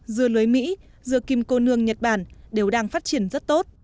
dưa lưới mỹ dưa kim cô nương nhật bản đều đang phát triển rất tốt